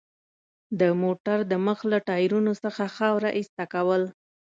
د موټر د مخ له ټایرونو څخه خاوره ایسته کول.